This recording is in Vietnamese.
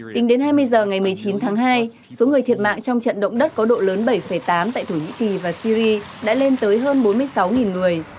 tính đến hai mươi h ngày một mươi chín tháng hai số người thiệt mạng trong trận động đất có độ lớn bảy tám tại thổ nhĩ kỳ và syri đã lên tới hơn bốn mươi sáu người